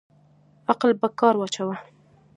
عقل په کار واچوه